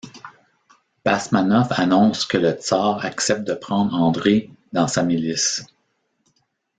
Basmanov annonce que le tsar accepte de prendre André dans sa milice.